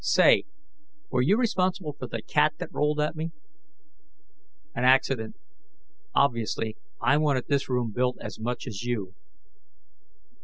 Say, were you responsible for the cat that rolled at me?" "An accident. Obviously, I wanted this room built as much as you."